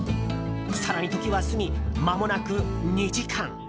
更に時は過ぎ、まもなく２時間。